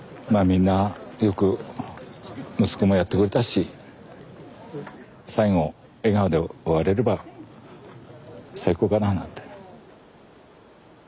みんなよく息子もやってくれたし最後笑顔で終われれば最高かななんて。